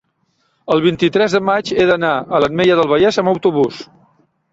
el vint-i-tres de maig he d'anar a l'Ametlla del Vallès amb autobús.